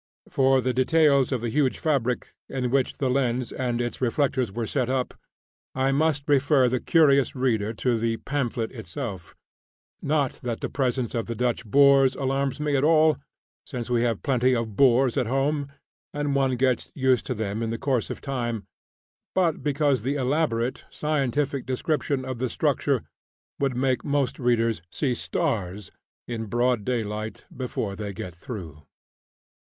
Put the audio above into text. For the details of the huge fabric in which the lens and its reflectors were set up, I must refer the curious reader to the pamphlet itself not that the presence of the "Dutch boors" alarms me at all, since we have plenty of boors at home, and one gets used to them in the course of time, but because the elaborate scientific description of the structure would make most readers see "stars" in broad daylight before they get through.